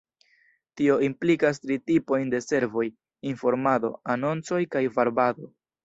Tio implikas tri tipojn de servoj: informado, anoncoj kaj varbado.